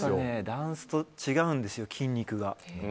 ダンスと違うんですよ、筋肉が。